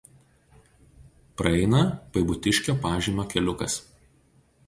Praeina Paibutiškio–Pažemio keliukas.